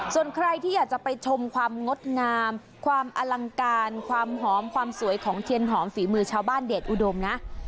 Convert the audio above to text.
ส่วนใครที่อยากจะไปชมความงดงามความอลังการความหอมความสวยของเทียนหอมฝีมือชาวบ้านเดชอุดมนะ